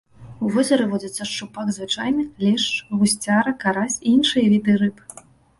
У возеры водзяцца шчупак звычайны, лешч, гусцяра, карась і іншыя віды рыб.